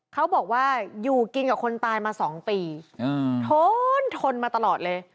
เขาบอกว่าอยู่กินกับคนตายมา๒ปีทนทนมาตลอดเลย